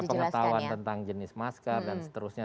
pengetahuan tentang jenis masker dan seterusnya